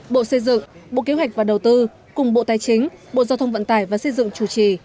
bộ xây dựng bộ kế hoạch và đầu tư cùng bộ tài chính bộ giao thông vận tải và xây dựng chủ trì